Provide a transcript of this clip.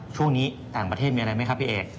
ช่วงนี้ต่างประเทศมีอะไรไหมครับพี่เอก